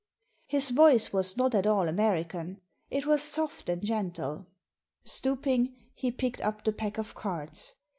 His voice was not at all American ; it was soft and gentle. Stooping, he picked up the pack of cards.